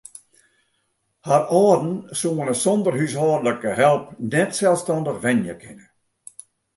Har âlden soene sonder húshâldlike help net selsstannich wenje kinne.